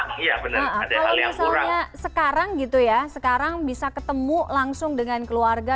nah kalau misalnya sekarang gitu ya sekarang bisa ketemu langsung dengan keluarga